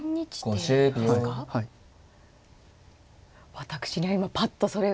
私には今パッとそれが。